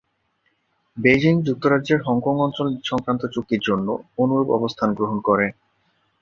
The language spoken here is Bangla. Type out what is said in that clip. বেইজিং যুক্তরাজ্যের হংকং অঞ্চল সংক্রান্ত চুক্তির জন্য অনুরূপ অবস্থান গ্রহণ করে।